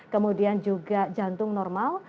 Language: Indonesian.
kemudian juga jantung normal